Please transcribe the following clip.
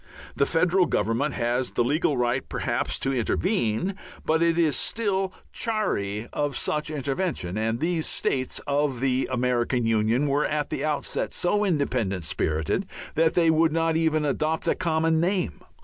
The federal government has the legal right perhaps to intervene, but it is still chary of such intervention. And these states of the American Union were at the outset so independent spirited that they would not even adopt a common name.